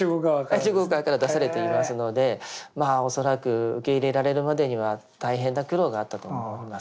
中国側から出されていますのでまあ恐らく受け入れられるまでには大変な苦労があったと思います。